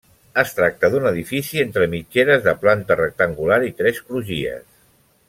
Es tracta d'un edifici entre mitgeres de planta rectangular i tres crugies.